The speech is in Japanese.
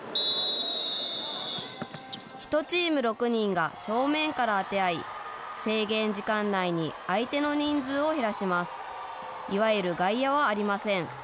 １チーム６人が正面から当て合い、制限時間内に相手の人数を減らします。